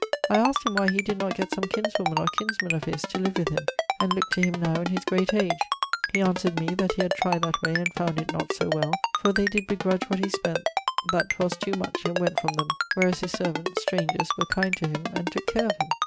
I asked him why he did not get some kinswoman or kinsman of his to live with him, and looke to him now in his great age? He answer'd me that he had tryed that way, and found it not so well; for they did begrudge what he spent that 'twas too much and went from them, whereas his servants (strangers) were kind to him and tooke care of him.